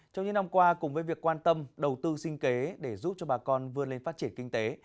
trong những năm qua cùng với việc quan tâm đầu tư sinh kế để giúp cho bà con vươn lên phát triển kinh tế